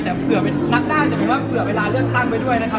แต่เผื่อเวลาเลือกตั้งไปด้วยนะครับ